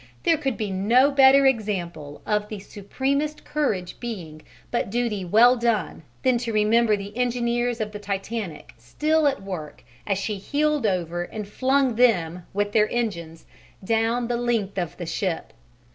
There could be no better example of the supremest courage being but duty well done than to remember the engineers of the Titanic still at work as she heeled over and flung them with their engines down the length of the ship.